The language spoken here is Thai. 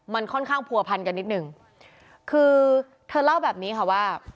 มันค่อนข้างผัวพันกันนิดนึงคือเธอเล่าแบบนี้ค่ะว่า